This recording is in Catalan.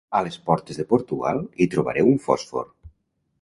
A les portes de Portugal hi trobareu un fòsfor.